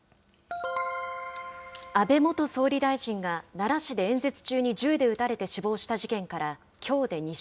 安倍元総理大臣が奈良市で演説中に銃で撃たれて死亡した事件